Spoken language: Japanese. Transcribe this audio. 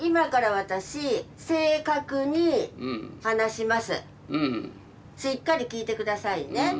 しっかり聞いて下さいね。